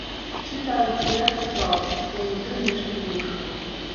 Чытаючы, я адчуваў, што ўнутры нешта зрушваецца.